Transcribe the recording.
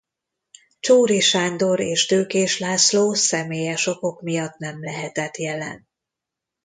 Csoóri Sándor és Tőkés László személyes okok miatt nem lehetett jelen.